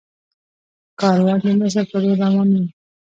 کاروان د مصر په لور روان وي.